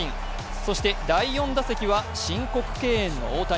そして第４打席は申告敬遠の大谷。